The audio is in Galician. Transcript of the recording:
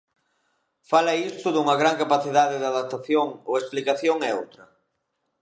Fala isto dunha gran capacidade de adaptación ou a explicación é outra?